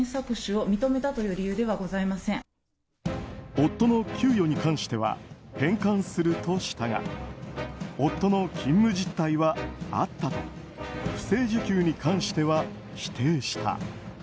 夫の給与に関しては返還するとしたが夫の勤務実態はあったと不正受給に関しては否定した。